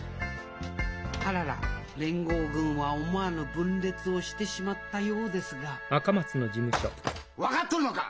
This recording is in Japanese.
あらら連合軍は思わぬ分裂をしてしまったようですが分かっとるのか！